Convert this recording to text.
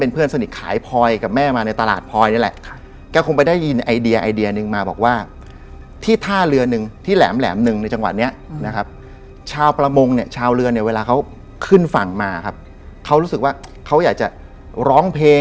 เพราะว่าเหมือนทำไปแล้วเขาก็